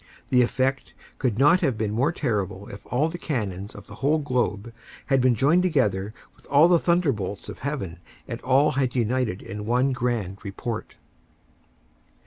The effect could not have been more terrible if all the cannons of the whole globe had been joined together with all the thunderbolts of heaven and all had united in one grand report.